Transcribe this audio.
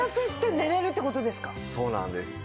そうなんです。